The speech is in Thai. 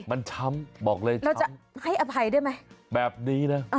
มันช้ำบอกเลยเราจะให้อภัยได้ไหมแบบนี้นะ